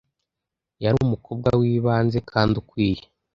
Yari umukobwa wibanze kandi ukwiye.